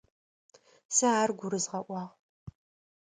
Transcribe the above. Сэ ар гурызгъэӏуагъ.